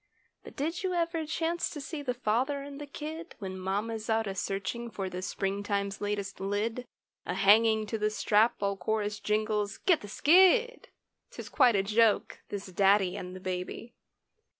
But did you ever chance to see the father and the "kid," When mamma's out a searching for the spring time's latest "lid," A hanging to the strap, while chorus jingles "Get the skid!" 'Tis quite a joke, this daddy and the baby.